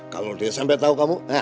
kalau dia sampai tahu kamu